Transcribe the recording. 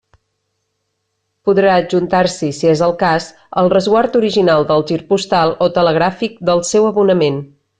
Podrà adjuntar-s'hi, si és el cas, el resguard original del gir postal, o telegràfic del seu abonament.